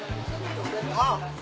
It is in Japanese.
あっ！